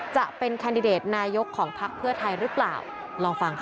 จะเป็นแคนดิเดตนายกของพักเพื่อไทยหรือเปล่าลองฟังค่ะ